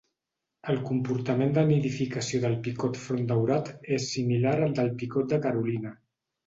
El comportament de nidificació del picot frontdaurat és similar al del picot de Carolina.